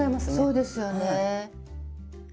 そうですよね。